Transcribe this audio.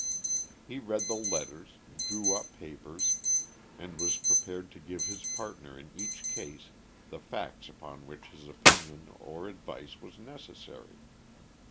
He read the letters, drew up papers, and was prepared to give his partner in each case the facts upon which his opinion or advice was necessary.